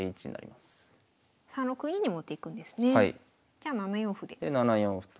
じゃ７四歩で。